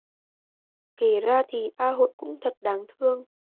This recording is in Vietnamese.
Kể ra thì A Hội cũng thật đáng thương